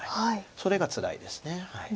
それがつらいです。